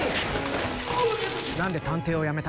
何で探偵をやめた？